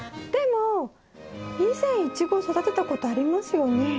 でも以前イチゴ育てたことありますよね。